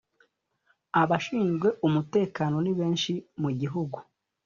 abashinzwe umutekano nibeshi mugihugu.